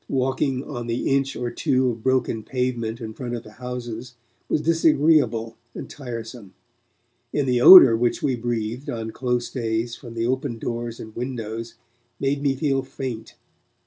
Walking on the inch or two of broken pavement in front of the houses was disagreeable and tiresome, and the odor which breathed on close days from the open doors and windows made me feel faint.